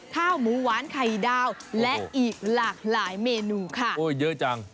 ข้าวหมูหวานไข่ดาวและอีกหลากหลายเมนูค่ะโอ้เยอะจัง